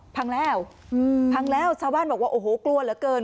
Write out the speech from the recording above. พังแล้วพังแล้วชาวบ้านบอกว่าโอ้โหกลัวเหลือเกิน